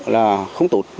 là không tốt